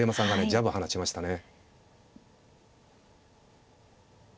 ジャブ放ちましたね。